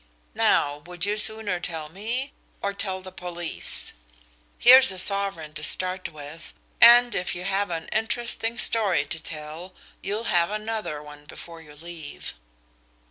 Now, would you sooner tell me or tell the police? Here's a sovereign to start with, and if you have an interesting story to tell you'll have another one before you leave."